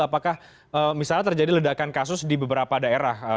apakah misalnya terjadi ledakan kasus di beberapa daerah